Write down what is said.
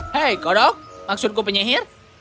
hei kodok maksudku penyihir